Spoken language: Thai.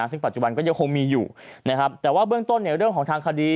ซึ่งปัจจุบันก็ยังคงมีอยู่นะครับแต่ว่าเบื้องต้นเนี่ยเรื่องของทางคดี